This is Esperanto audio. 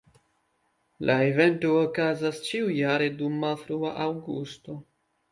La evento okazas ĉiujare dum malfrua aŭgusto.